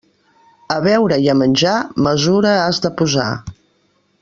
A beure i a menjar, mesura has de posar.